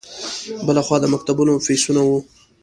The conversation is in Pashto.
بل خوا د مکتبونو فیسونه وو.